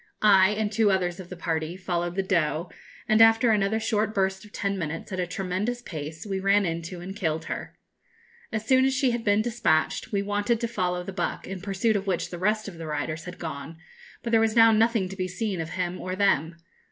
I, and two others of the party, followed the doe, and after another short burst of ten minutes, at a tremendous pace, we ran into and killed her. As soon as she had been despatched, we wanted to follow the buck, in pursuit of which the rest of the riders had gone, but there was now nothing to be seen of him or them.